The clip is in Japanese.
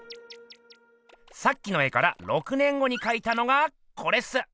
さっきの絵から６年後にかいたのがこれっす！